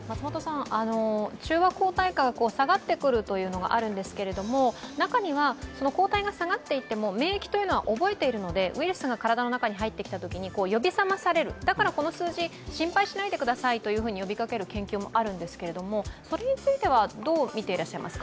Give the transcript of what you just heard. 中和抗体価が下がってくるというのがあるんですけど中には抗体が下がっていても免疫は覚えているのでウイルスが体の中に入ったときに呼び覚まされる、だからこの数字、心配しないでくださいと呼びかける研究もあるんですけどそれについてはどう見ていらっしゃいますか。